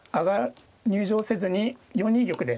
入城せずに４二玉で。